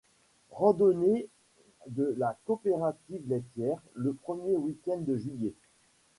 Randonnée de la Coopérative laitière le premier week-end de juillet.